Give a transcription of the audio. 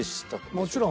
もちろん！